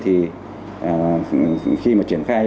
thì khi mà triển khai